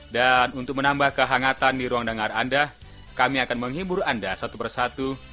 dan untuk menambah kehangatan di ruang dengar anda kami akan menghibur anda satu persatu